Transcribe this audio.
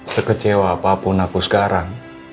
sekecewa apapun aku sekarang